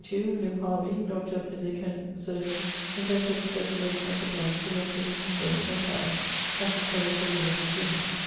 William Harvey, Dr. of Physique and Chirurgery, inventor of the circulation of the bloud, who left him in his will ten poundes, as his brother told me at his funerall.